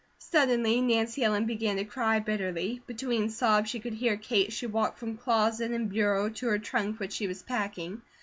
Suddenly Nancy Ellen began to cry bitterly; between sobs she could hear Kate as she walked from closet and bureau to her trunk which she was packing.